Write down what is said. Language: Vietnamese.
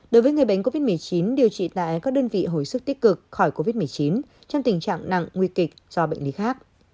đối với người bệnh covid một mươi chín điều trị tại các đơn vị hồi sức tích cực khỏi covid một mươi chín trong tình trạng nặng nguy kịch do bệnh lý khác